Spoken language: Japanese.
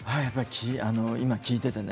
今聞いていてね